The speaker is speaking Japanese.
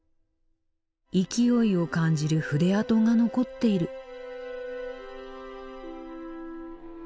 勢いを感じる筆跡が残っている。